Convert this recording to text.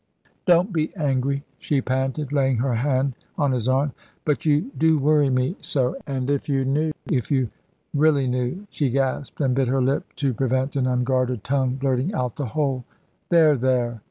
"Don't be angry," she panted, laying her hand on his arm; "but you do worry me so, and if you knew if you really knew " She gasped and bit her lip, to prevent an unguarded tongue blurting out the whole. "There, there!"